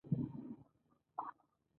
ستا بکس مې هیڅ په کار نه دی.